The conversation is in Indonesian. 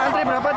tidak dapat ini